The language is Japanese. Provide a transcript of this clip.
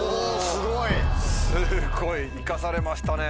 すごい生かされましたね！